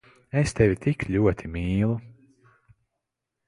Es tevi tik ļoti mīlu…